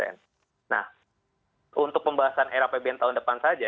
nah untuk pembahasan era apbn tahun depan saja